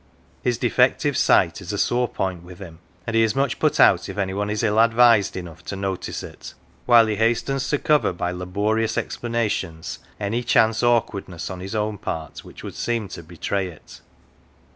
His defective sight is a sore point with him, and he is much put out if any one is ill advised enough to notice it; while he hastens to cover by laborious explanations any chance awkwardness on his own part which would seem to betray it.